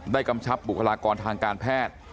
กำชับบุคลากรทางการแพทย์